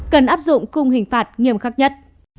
cần áp dụng khung hình phạt nghiêm khắc nhất